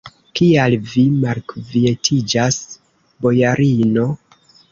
Kial vi malkvietiĝas, bojarino?